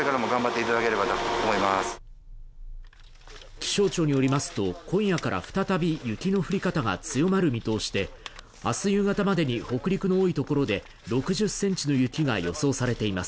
気象庁によりますと今夜から再び雪の降り方が強まる見通しで明日夕方までに、北陸の多いところで６０ｃｍの雪が予想されています。